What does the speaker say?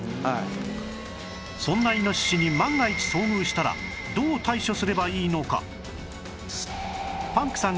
そんなイノシシに万が一遭遇したらどう対処すればいいのか？